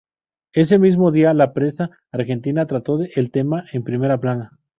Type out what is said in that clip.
Ese mismo día la prensa argentina trató el tema en primera plana.